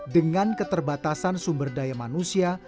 dengan keterbatasan sumber daya manusia